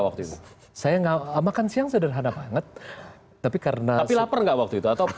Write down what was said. world saya enggak makan siang sederhana banget tapi karena laper gak waktu itu atau itu mau